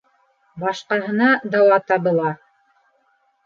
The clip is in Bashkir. Башҡаһына дауа табыла.